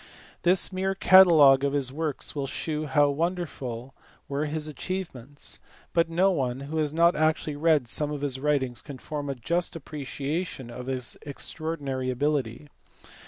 This mere catalogue of his works will shew how wonderful were his achievements ; but no one who has not actually read some of his writings can form a just appreciation of his extra ordinary ability.